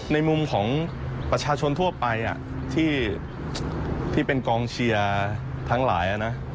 ในมุมของประชาชนทั่วไปที่เป็นกองเชียร์ทั้งหลายนะ